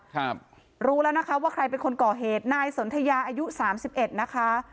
ครับรู้แล้วนะคะว่าใครเป็นคนก่อเหตุนายสนทยาอายุสามสิบเอ็ดนะคะ